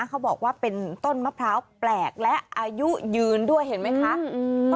เขาบอกว่าเป็นต้นมะพร้าวแปลกและอายุยืนด้วยเห็นไหมคะอืม